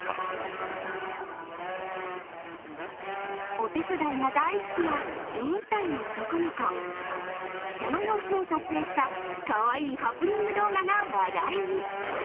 お手伝いが大好きな４歳の男の子その様子を撮影したかわいいハプニング動画が話題に。